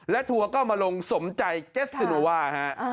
และทัวร์ก็มาลงสมใจเจสซิโนว่าฮะ